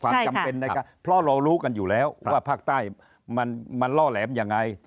ความจำเป็นนะครับเพราะเรารู้กันอยู่แล้วว่าภาคใต้มันล่อแหลมยังไง